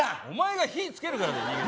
お前が火付けるからだよ。